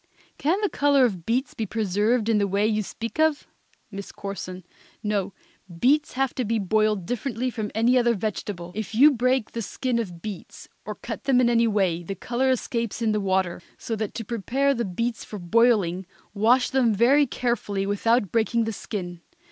_ Can the color of beets be preserved in the way you speak of? MISS CORSON. No, beets have to be boiled differently from any other vegetable. If you break the skin of beets, or cut them in any way, the color escapes in the water. So that to prepare the beets for boiling, wash them very carefully without breaking the skin.